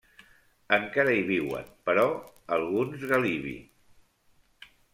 Encara hi viuen, però, alguns galibi.